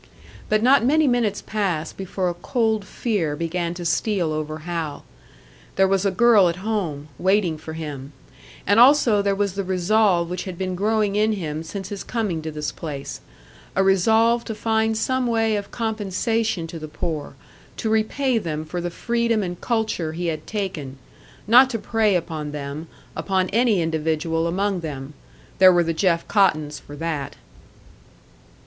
But not many minutes passed before a cold fear began to steal over Hal. There was a girl at home, waiting for him; and also there was the resolve which had been growing in him since his coming to this place a resolve to find some way of compensation to the poor, to repay them for the freedom and culture he had taken; not to prey upon them, upon any individual among them. There were the Jeff Cottons for that!